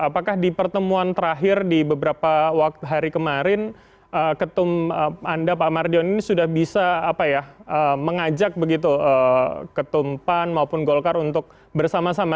apakah di pertemuan terakhir di beberapa hari kemarin ketum anda pak mardion ini sudah bisa mengajak begitu ketum pan maupun golkar untuk bersama sama